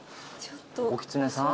おキツネさん？